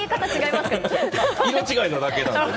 色違いなだけなんで。